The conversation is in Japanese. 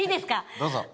どうぞ。